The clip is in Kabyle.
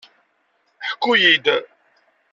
Ḥku-yi-d!